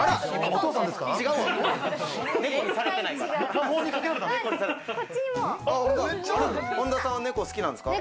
お父さんですか？